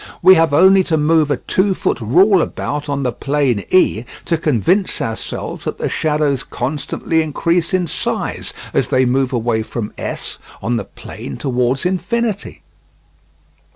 We have only to move a two foot rule about on the plane E to convince ourselves that the shadows constantly increase in size as they move away from S on the plane towards infinity."